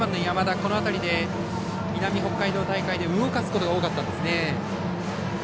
この辺りで南北海道大会で動かすことが多かったんですね。